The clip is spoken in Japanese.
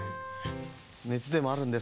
ねつでもあるんですか？